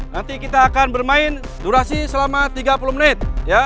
nanti kita akan bermain durasi selama tiga puluh menit